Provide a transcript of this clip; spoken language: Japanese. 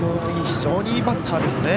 非常にいいバッターですね。